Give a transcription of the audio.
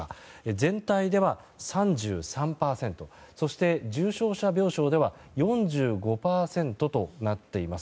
全体では３３％そして重症者病床では４５％となっています。